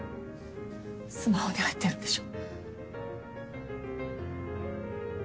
スマホに入ってるんでしょ？